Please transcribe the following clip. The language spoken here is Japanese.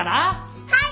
はい。